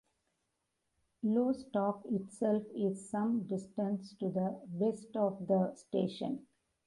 Lostock itself is some distance to the west of the station.